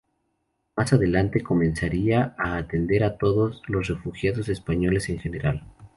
Más adelante comenzaría a atender a todos los refugiados españoles en general.